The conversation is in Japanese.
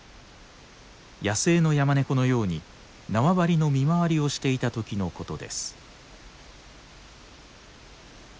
野生のヤマネコのように縄張りの見回りをしていた時のことです。